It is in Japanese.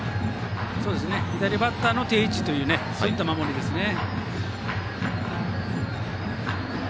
左バッターの定位置というそういった守りですね。